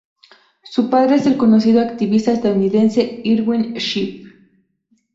Su padre es el conocido activista estadounidense Irwin Schiff.